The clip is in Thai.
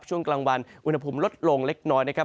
ช่วงกลางวันอุณหภูมิลดลงเล็กน้อยนะครับ